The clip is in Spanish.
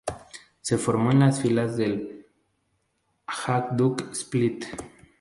Se formó en las filas del Hajduk Split.